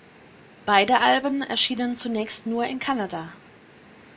Beide Alben erschienen zunächst nur in Kanada.